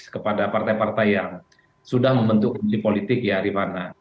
kepada partai partai yang sudah membentuk politik diarifana